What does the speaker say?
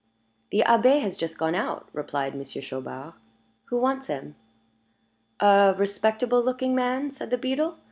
"The Abbé has just gone out," replied Monsieur Chaubard. "Who wants him?" "A respectable looking man," said the beadle.